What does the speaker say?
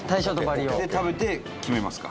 伊達：食べて決めますか。